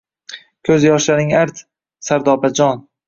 Koʻz yoshlaring art, Sardobajon...